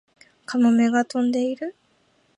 カモメが飛んでいる